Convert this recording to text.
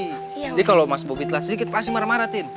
jadi kalo mas bopi telah sedikit pasti marah marah tin